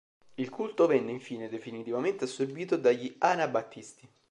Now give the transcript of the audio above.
Il culto venne infine definitivamente assorbito dagli anabattisti.